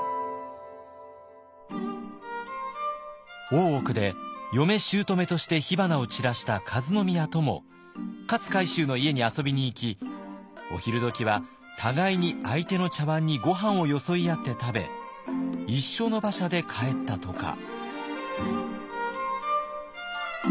大奥で嫁姑として火花を散らした和宮とも勝海舟の家に遊びに行きお昼どきは互いに相手の茶わんにごはんをよそい合って食べ一緒の馬車で帰ったとか。